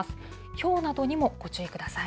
ひょうなどにもご注意ください。